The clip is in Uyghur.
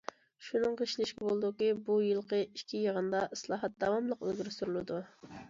شۇنىڭغا ئىشىنىشكە بولىدۇكى، بۇ يىلقى ئىككى يىغىندا ئىسلاھات داۋاملىق ئىلگىرى سۈرۈلىدۇ.